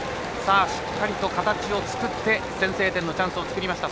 しっかりと形を作って先制点のチャンスを作りました。